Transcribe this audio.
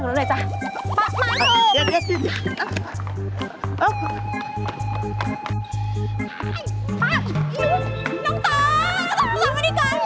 น้องตาสร้างกลุ่มมาดีกัน